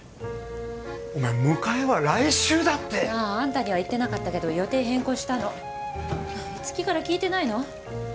お前迎えは来週だってあんたには言ってなかったけど予定変更したのいつきから聞いてないの？